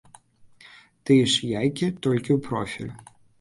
Тыя ж яйкі, толькі ў профіль.